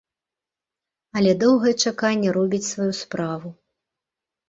Але доўгае чаканне робіць сваю справу.